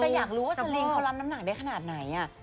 แต่อยากรู้ว่าสลิงเขารับน้ำหนักได้ขนาดไหน